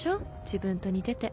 自分と似てて。